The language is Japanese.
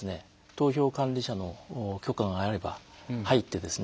投票管理者の許可があれば入ってですね